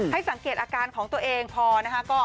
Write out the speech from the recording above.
ให้สังเกตอาการของตัวเองพอนะคะ